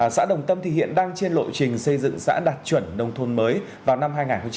xã đồng tâm hiện đang trên lộ trình xây dựng xã đạt chuẩn nông thôn mới vào năm hai nghìn hai mươi